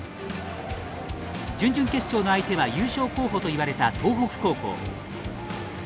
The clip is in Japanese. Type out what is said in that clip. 準々決勝の相手は優勝候補といわれた東北高校。